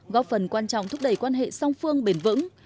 góp phần quan trọng thúc đẩy quan hệ song phương bền vững